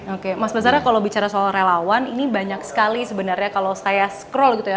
oke mas basara kalau bicara soal relawan ini banyak sekali sebenarnya kalau saya scroll gitu ya